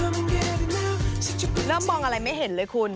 เบลอวาลขึ้นตาย